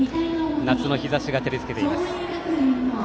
夏の日ざしが照りつけています。